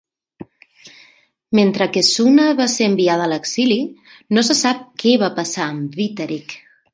Mentre que Sunna va ser enviada a l'exili, no se sap què va passar amb Witteric.